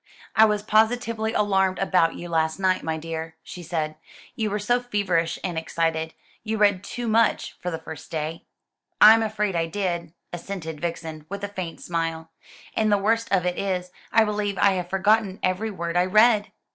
"I was positively alarmed about you last night, my dear," she said; "you were so feverish and excited. You read too much, for the first day." "I'm afraid I did," assented Vixen, with a faint smile; "and the worst of it is, I believe I have forgotten every word I read."